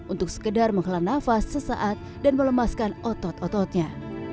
untuk sekedar menghalang nafas sesaat dan melemaskan otot ototnya